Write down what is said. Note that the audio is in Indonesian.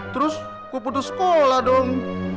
terus kuputus sekolah dong